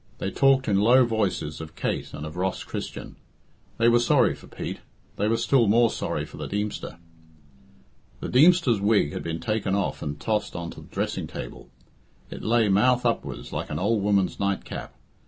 They talked in low voices of Kate and of Ross Christian; they were sorry for Pete; they were still more sorry for the Deemster. The Deemster's wig had been taken off and tossed on to the dressing table. It lay mouth upwards like any old woman's night cap.